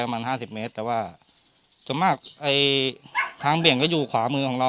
ประมาณ๕๐เมตรแต่ว่าส่วนมากทางเบี่ยงก็อยู่ขวามือของเรา